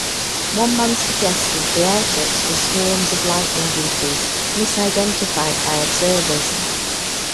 One man suggested the airships were swarms of lightning beetles misidentified by observers.